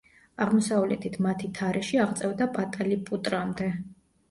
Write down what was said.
აღმოსავლეთით მათი თარეში აღწევდა პატალიპუტრამდე.